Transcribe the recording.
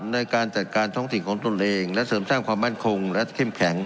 ในการจัดการท้องถิ่นของตนเองและเสริมสร้างความมั่นคงและเข้มแข็ง